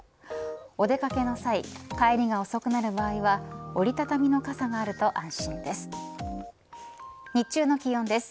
お出掛けの際帰りが遅くなる場合は折り畳みの傘があると安心です。